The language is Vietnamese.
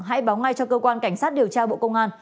hãy báo ngay cho cơ quan cảnh sát điều tra bộ công an